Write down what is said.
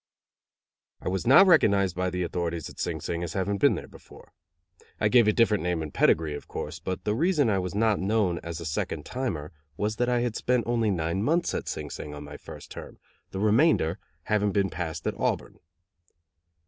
_ I was not recognized by the authorities at Sing Sing as having been there before. I gave a different name and pedigree, of course, but the reason I was not known as a second timer was that I had spent only nine months at Sing Sing on my first term, the remainder having been passed at Auburn.